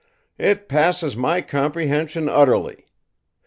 It passes my comprehension, utterly!